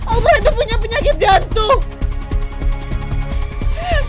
om roy itu punya penyakit jantung